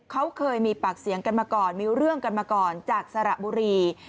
เขาเคยมีปากเสียงกันมาก่อนมีเรื่องกันมาก่อนจากสระบุรี